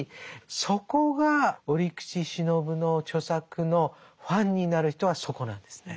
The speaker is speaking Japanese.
そこが折口信夫の著作のファンになる人はそこなんですね。